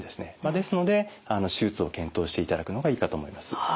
ですので手術を検討していただくのがいいかと思います。